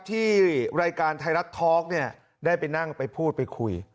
ที่รายการไทยรัฐทอล์กเนี่ยได้ไปนั่งไปพูดไปคุย